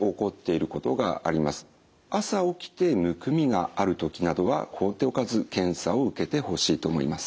朝起きてむくみがある時などは放っておかず検査を受けてほしいと思います。